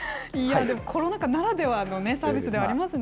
コロナ禍ならではのサービスではありますね。